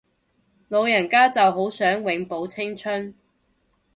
老人家就好想永葆青春